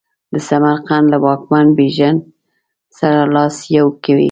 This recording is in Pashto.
د سمرقند له واکمن بیژن سره لاس یو کوي.